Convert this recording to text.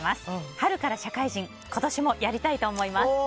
春から社会人今年もやりたいと思います。